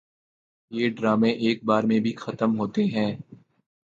یہ ڈرامے ایک بار میں بھی ختم ہوتے ہیں